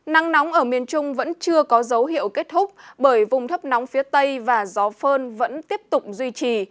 nắng nóng ở miền trung vẫn chưa có dấu hiệu kết thúc bởi vùng thấp nóng phía tây và gió phơn vẫn tiếp tục duy trì